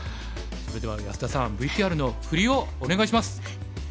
それでは安田さんＶＴＲの振りをお願いします。